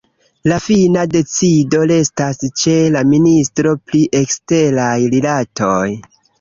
La fina decido restas ĉe la ministro pri eksteraj rilatoj.